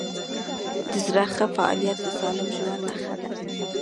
د زړه ښه فعالیت د سالم ژوند نښه ده.